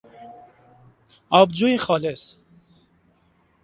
آبجو خالص